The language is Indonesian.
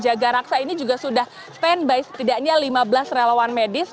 jaga raksa ini juga sudah standby setidaknya lima belas relawan medis